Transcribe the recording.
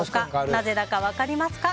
なぜだか分かりますか。